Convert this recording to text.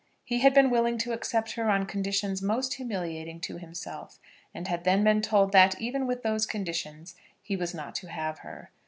He had been willing to accept her on conditions most humiliating to himself; and had then been told, that, even with those conditions, he was not to have her.